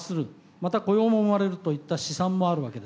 また雇用も生まれるといった試算もあるわけです。